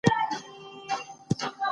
د ماشوم غاښونه هره ورځ پاک کړئ.